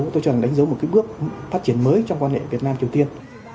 tôi cho rằng đánh dấu một bước phát triển mới trong quan hệ việt nam triều tiên